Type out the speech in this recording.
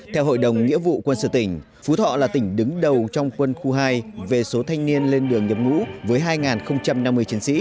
theo hội đồng nghĩa vụ quân sự tỉnh phú thọ là tỉnh đứng đầu trong quân khu hai về số thanh niên lên đường nhập ngũ với hai năm mươi chiến sĩ